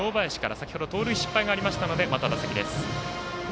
先ほど盗塁失敗がありましたがまた打席です。